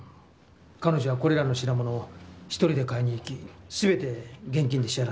彼女はこれらの品物を１人で買いに行き全て現金で支払っています。